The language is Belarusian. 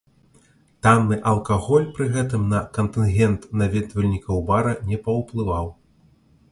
Танны алкаголь пры гэтым на кантынгент наведвальнікаў бара не паўплываў.